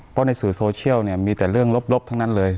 เพราะในสื่อโซเชียลเนี่ยมีแต่เรื่องลบทั้งนั้นเลย